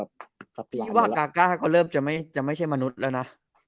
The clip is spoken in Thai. พี่ว่ากาก้าก็เริ่มจะไม่ใช่มนุษย์แล้วนะ